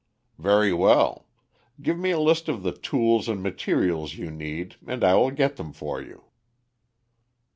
"Very well. Give me a list of the tools and materials you need and I will get them for you."